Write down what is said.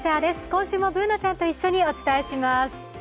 今週もＢｏｏｎａちゃんと一緒にお伝えします。